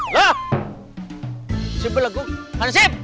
loh hansip belakang hansip